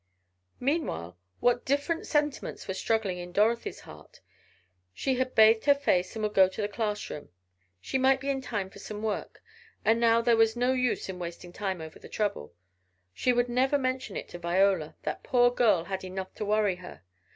Meanwhile what different sentiments were struggling in Dorothy's heart? She had bathed her face, and would go into the classroom. She might be in time for some work, and now there was no use in wasting time over the trouble. She would never mention it to Viola, that poor girl had enough to worry her.